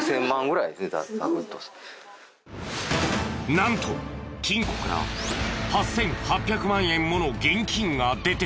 なんと金庫から８８００万円もの現金が出てきた。